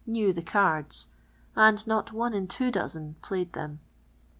" knew the cards," aiid not one in two dozen playid thi m.